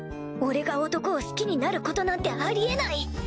俺が男を好きになることなんてありえない